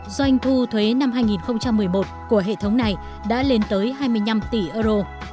doanh thu thuế năm hai nghìn một mươi một của hệ thống này đã lên tới hai mươi năm tỷ euro